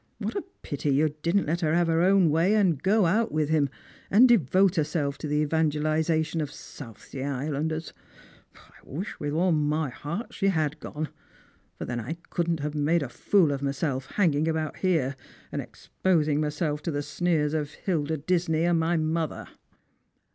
What a pity you didn't let her have her own way and go out with him, and devote herself to the evangelisation of South Sea Islanders! I wish with all my heart she had gone ; for then I couldn't have made a fool of myself hanging auoni, iiere, and exposing myself to the sneers of Hilda Disney and my mother."